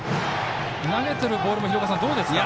投げてるボールもどうですか？